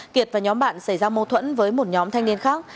kiệt và nhóm bạn xảy ra mâu thuẫn với một nhóm thanh niên khác